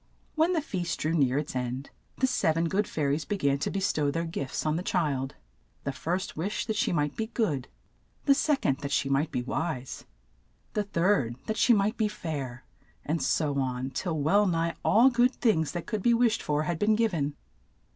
When the feast drew near its end the sev en good fai ries be gan to be stow their gifts on the child. The first wished that she might be good : the sec ond, that she might be wise ; the third, that she might be fair, and so on, till well nigh all good things that could be wished for had been giv en.